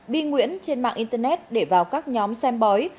bi nguyễn trên mạng internet để vào các nhóm xem bói